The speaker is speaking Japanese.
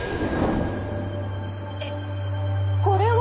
えっこれは！